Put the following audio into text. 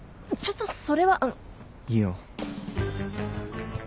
ちょっとそれは。いいよ。